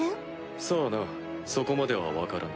さぁなそこまでは分からない。